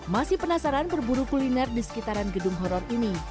masih penasaran berburu kuliner di sekitaran gedung horror ini